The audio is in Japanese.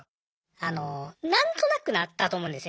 あの何となくだと思うんですよ